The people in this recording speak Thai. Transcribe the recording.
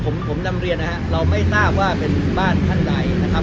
ผมผมนำเรียนนะครับเราไม่ทราบว่าเป็นบ้านท่านใดนะครับ